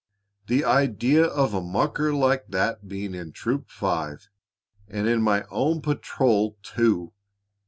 "The idea of a mucker like that being in Troop Five and in my own patrol, too!